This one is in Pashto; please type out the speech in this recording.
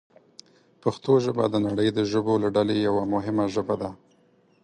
پښتو ژبه د نړۍ د ژبو له ډلې یوه مهمه ژبه ده.